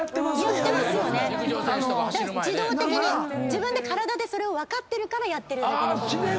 自分で体でそれを分かってるからやってる。